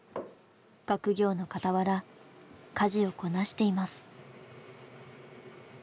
学業の傍ら家事をこなしています。